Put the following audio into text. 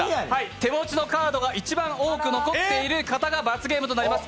手持ちのカードが一番多く残っている方が罰ゲームとなります。